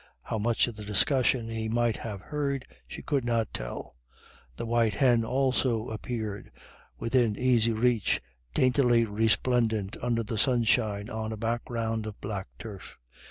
How much of the discussion he might have heard, she could not tell. The white hen also appeared within easy reach, daintily resplendent under the sunshine on a background of black turf.